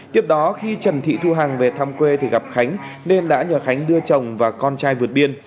tiếp đó khi trần thị thu hằng về thăm quê thì gặp khánh nên đã nhờ khánh đưa chồng và con trai vượt biên